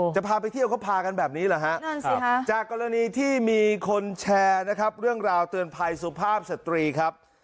จะพาไปเที่ยวเขาพากันแบบนี้เหรอฮะนั่นสิฮะจากกรณีที่มีคนแชร์นะครับเรื่องราวเตือนภัยสุภาพสตรีครับ